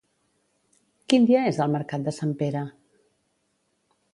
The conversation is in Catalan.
Quin dia és el mercat de Sempere?